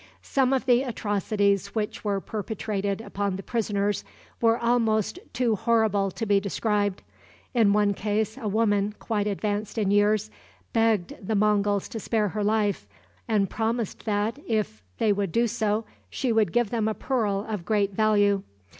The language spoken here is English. Some of the atrocities which were perpetrated upon the prisoners were almost too horrible to be described. In one case a woman, quite advanced in years, begged the Monguls to spare her life, and promised that, if they would do so, she would give them a pearl of great value.